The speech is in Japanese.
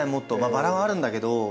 バラはあるんだけど。